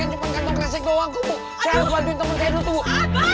itu kantong kresek yang tidak dusuk buah